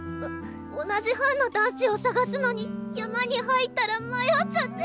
同じ班の男子をさがすのに山に入ったら迷っちゃって。